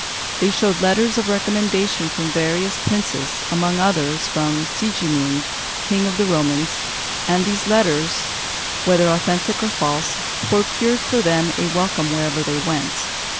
They showed letters of recommendation from various princes, among others from Sigismund, King of the Romans, and these letters, whether authentic or false, procured for them a welcome wherever they went.